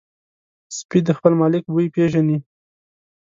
سپي د خپل مالک بوی پېژني.